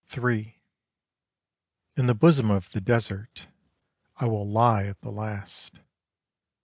III In the bosom of the desert I will lie at the last.